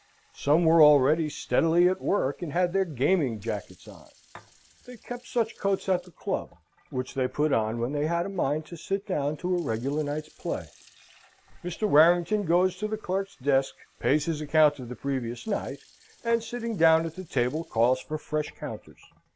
Some were already steadily at work, and had their gaming jackets on: they kept such coats at the club, which they put on when they had a mind to sit down to a regular night's play. Mr. Warrington goes to the clerk's desk, pays his account of the previous night, and, sitting down at the table, calls for fresh counters.